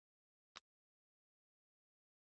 د پروسټیټ هایپرپلاسیا نارینه ډېروي.